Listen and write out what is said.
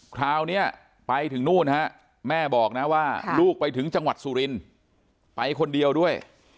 คราวนี้ไปถึงนู่นฮะแม่บอกนะว่าลูกไปถึงจังหวัดสุรินทร์ไปคนเดียวด้วย